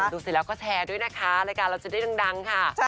เสร็จแล้วก็แชร์ด้วยนะคะรายการเราจะได้ดังค่ะ